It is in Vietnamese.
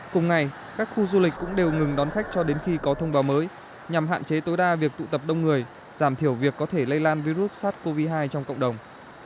cùng ngày các khu du lịch cũng đều ngừng đón khách cho đến khi có thông báo mới nhằm hạn chế tối đa việc tụ tập đông người giảm thiểu việc có thể lây lan virus sars cov hai trong cộng đồng